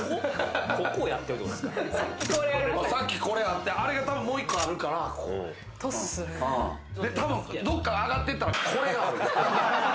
さっきこれあって、あれがもう１個あるから、たぶんどっか上がってったら、これがある。